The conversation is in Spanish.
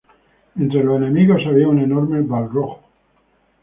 Entre los enemigos había un enorme Balrog.